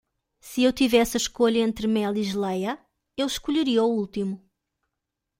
Se eu tivesse a escolha entre mel e geléia? eu escolheria o último.